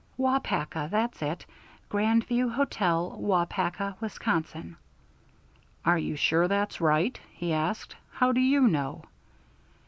Waupaca that's it. Grand View Hotel, Waupaca, Wisconsin." "Are you sure that's right?" he asked. "How do you know?"